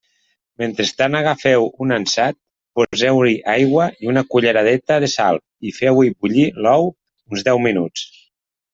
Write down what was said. Mentrestant agafeu un ansat, poseu-hi aigua i una culleradeta de sal, i feu-hi bullir l'ou uns deu minuts.